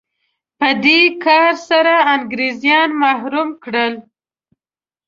په دې کار سره انګرېزان محروم کړل.